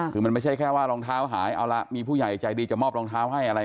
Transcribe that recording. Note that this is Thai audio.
คือมันไม่ใช่แค่ว่ารองเท้าหายเอาละมีผู้ใหญ่ใจดีจะมอบรองเท้าให้อะไร